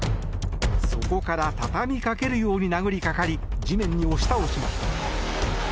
そこから畳みかけるように殴りかかり地面に押し倒しました。